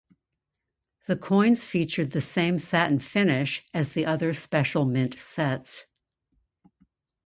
The coins featured the same satin finish as the other Special Mint Sets.